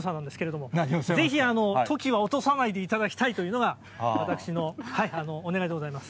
ぜひトキは落とさないでいただきたいというのが、私のお願いでございます。